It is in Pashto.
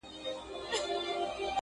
ما وېشلي هر یوه ته اقلیمونه؛